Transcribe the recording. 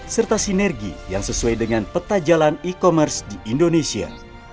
serta sinergi yang sesuai dengan peta jalan e commerce di indonesia